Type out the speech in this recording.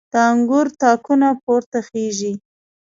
د انګور تاکونه پورته خیژي